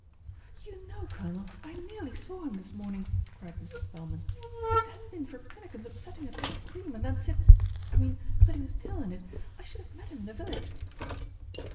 "You know, Colonel, I nearly saw him this morn ing!" cried Mrs. Spelman. "If it hadn't been for Prinnikins upsetting a jug of cream and then sitt I mean putting his tail in it, I should have met him in the village."